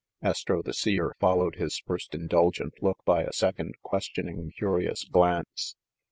Astro the Seer followed his first indulgent look by a second questioning, curious glance.